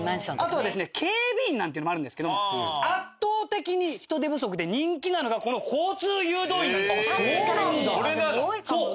あとはですね警備員なんていうのもあるんですけど圧倒的に人手不足で人気なのがこの交通誘導員なんです。